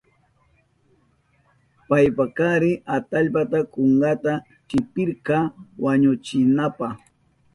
Payka kari atallpata kunkanta sipirka wañuchinanpa.